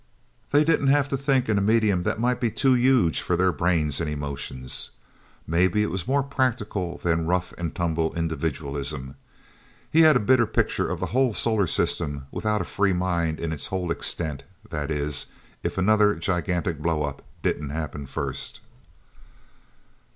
They didn't have to think in a medium that might be too huge for their brains and emotions. Maybe it was more practical than rough and tumble individualism. He had a bitter picture of the whole solar system without a free mind in its whole extent that is, if another gigantic blowup didn't happen first...